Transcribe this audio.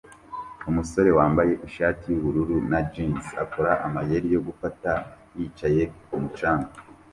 Umusore wambaye ishati yubururu na jans akora amayeri yo gufata yicaye kumu canga